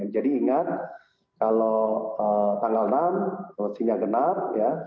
jadi ingat kalau tanggal enam sebetulnya genap ya